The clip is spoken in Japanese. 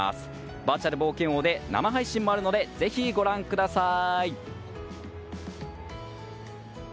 バーチャル冒険王で生配信もあるのでぜひご覧ください。